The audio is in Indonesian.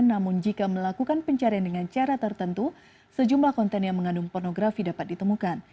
namun jika melakukan pencarian dengan cara tertentu sejumlah konten yang mengandung pornografi dapat ditemukan